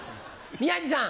宮治さん。